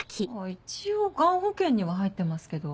一応がん保険には入ってますけど。